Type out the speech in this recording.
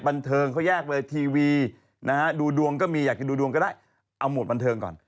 บันเทิงเขาแยกเวทีนะฮะดูดวงก็มีอยากจะดูดวงก็ได้เอาโหมดบันเทิงก่อน